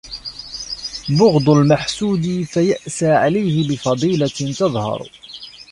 بُغْضُ الْمَحْسُودِ فَيَأْسَى عَلَيْهِ بِفَضِيلَةٍ تَظْهَرُ